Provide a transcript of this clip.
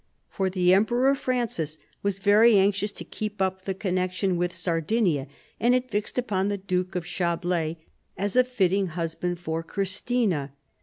For the Emperor Francis was very anxious to keep up the connection with Sardinia, and had fixed upon the Duke of Chablais as a fitting husband for Christina.